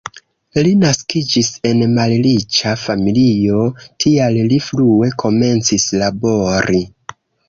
Li naskiĝis en malriĉa familio, tial li frue komencis labori.